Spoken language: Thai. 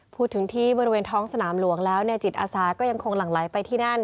พูดถึงที่บริเวณท้องสนามหลวงแล้วจิตอาสาก็ยังคงหลั่งไหลไปที่นั่น